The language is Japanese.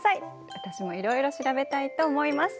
私もいろいろ調べたいと思います。